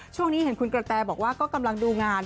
ช่วงนี้เห็นคุณกระแตบอกว่าก็กำลังดูงาน